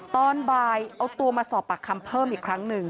ตอนบ่ายเอาตัวมาสอบปากคำเพิ่มอีกครั้งหนึ่ง